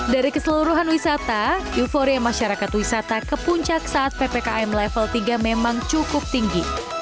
dari keseluruhan wisata euforia masyarakat wisata ke puncak saat ppkm level tiga memang cukup tinggi